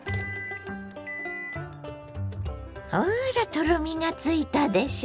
ほらとろみがついたでしょ。